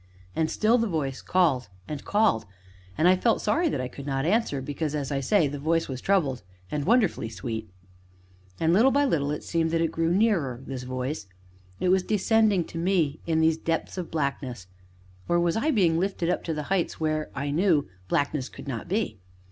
And still the voice called and called, and I felt sorry that I could not answer, because, as I say, the voice was troubled, and wonderfully sweet. And, little by little, it seemed that it grew nearer, this voice; was it descending to me in these depths of blackness, or was I being lifted up to the heights where, I knew, blackness could not be?